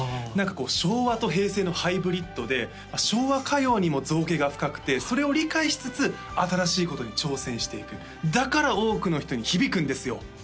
何かこう昭和と平成のハイブリッドで昭和歌謡にも造詣が深くてそれを理解しつつ新しいことに挑戦していくだから多くの人に響くんですよ